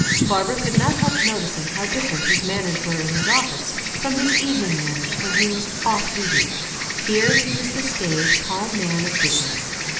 Barbara could not help noticing how different his manners were in his office from his evening manners when he was "off duty." Here he was the staid, calm man of business.